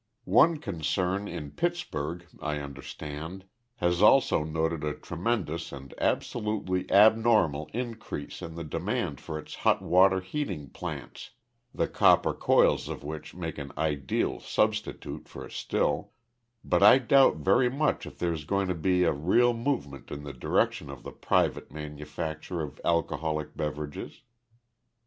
One concern in Pittsburgh, I understand, has also noted a tremendous and absolutely abnormal increase in the demand for its hot water heating plants the copper coils of which make an ideal substitute for a still but I doubt very much if there's going to be a real movement in the direction of the private manufacture of alcoholic beverages.